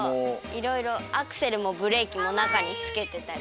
いろいろアクセルもブレーキもなかにつけてたりして。